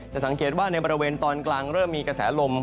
สังเกตว่าในบริเวณตอนกลางเริ่มมีกระแสลม